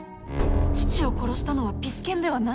父を殺したのはピス健ではない？